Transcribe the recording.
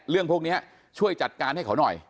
เรื่องพวกนี้ช่วยจัดการให้เขาหน่อย